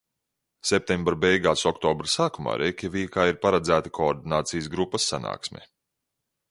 Septembra beigās, oktobra sākumā Reikjavīkā ir paredzēta koordinācijas grupas sanāksme.